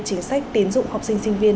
chính sách tiến dụng học sinh sinh viên